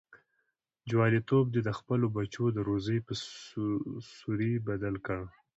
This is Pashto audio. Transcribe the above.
جواليتوب دې د خپلو بچو د روزۍ په سوري بدل کړ.